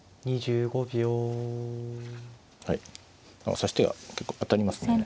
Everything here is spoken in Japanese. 指し手が結構当たりますね。